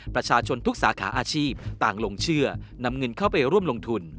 ประชาชนทุกสาขาอาชีพต่างลงเชื่อนำเงินเข้าไปร่วมลงทุน